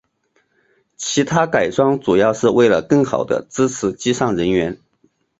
其它改装主要是为了更好地支持机上人员。